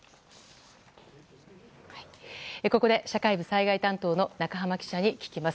ここで社会部災害担当の中濱記者に聞きます。